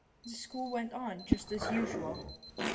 "The school went on just as usual?"